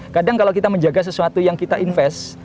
kadang kalau kita menjaga sesuatu yang kita invest